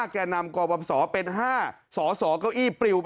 ๕การนำกรปศเป็น๕สอสอกเก้าอี้ปลิว